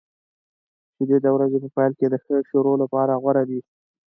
شیدې د ورځې په پیل کې د ښه شروع لپاره غوره دي.